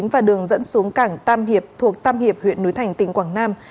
và đường dẫn xuống cảng tam hiệp thuộc tam hiệp huyện núi thành tỉnh quảng nam